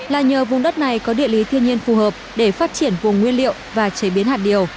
là nhờ vùng đất này có địa lý thiên nhiên phù hợp để phát triển vùng nguyên liệu và chế biến hạt điều